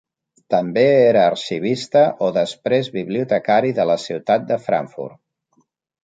També era arxivista o després bibliotecari de la ciutat de Frankfurt.